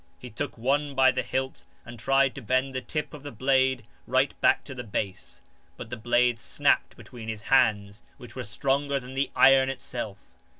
He took one by the hilt and tried to bend the tip of the blade right back to the base ; but the blade snapped between his hands which were stronger than the iron itself.